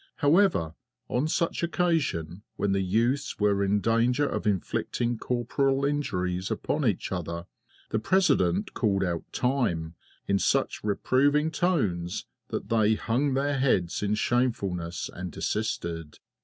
However, on such occasion when the youths were in danger of inflicting corporal injuries upon each other, the President called out "Time" in such reproving tones that they hung their heads in shamefulness and desisted.